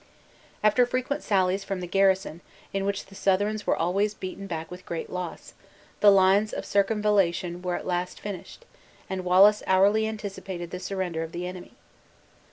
After frequent sallies from the garrison, in which the Southrons were always beaten back with great loss, the lines of circumvallation were at last finished, and Wallace hourly anticipated the surrender of the enemy.